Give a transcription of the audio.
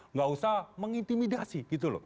nggak usah mengintimidasi